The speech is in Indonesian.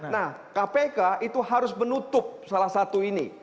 nah kpk itu harus menutup salah satu ini